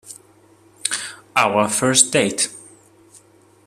Our First Date.